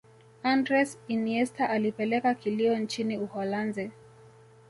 andres iniesta alipeleka kilio nchini Uholanzi